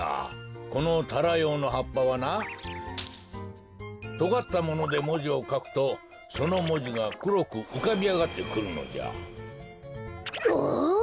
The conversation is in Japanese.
このタラヨウのはっぱはなとがったものでもじをかくとそのもじがくろくうかびあがってくるのじゃ。わ！